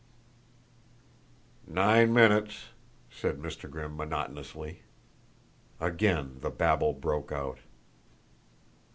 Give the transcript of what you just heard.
"Nine minutes!" said Mr. Grimm monotonously. Again the babel broke out.